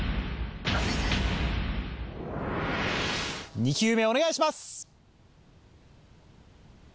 ２球目お願いします。